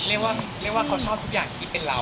เรียกว่าเขาชอบทุกอย่างที่เป็นเรา